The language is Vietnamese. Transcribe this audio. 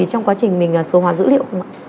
khi mà mình số hóa dữ liệu không ạ